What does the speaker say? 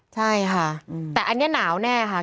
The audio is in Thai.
ใช่ค่ะแต่อันนี้หนาวแน่ค่ะ